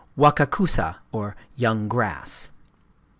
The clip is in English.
"Wakakusa" ("Young Grass").